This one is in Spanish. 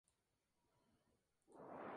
Se usa en soldaduras.